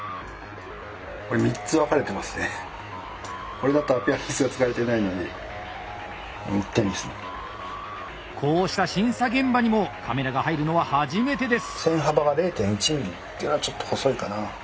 これだとこうした審査現場にもカメラが入るのは初めてです。